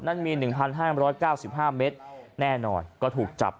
นั้นมี๑๕๙๕เมตรแน่นอนก็ถูกจับ